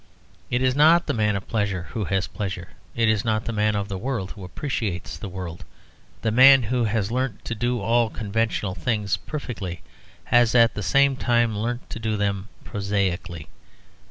It is not the man of pleasure who has pleasure; it is not the man of the world who appreciates the world. The man who has learnt to do all conventional things perfectly has at the same time learnt to do them prosaically.